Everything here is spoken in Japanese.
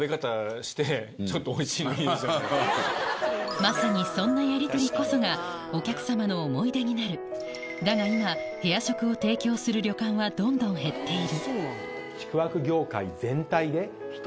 まさにそんなやりとりこそがお客様の思い出になるだが今部屋食を提供する旅館はどんどん減っている全体で。